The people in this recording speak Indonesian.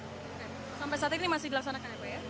sampai saat ini masih dilaksanakan ya pak ya